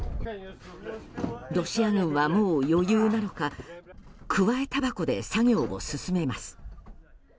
ロシア軍はもう余裕なのかくわえたばこで作業を進めます。